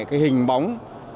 có những cái hình bóng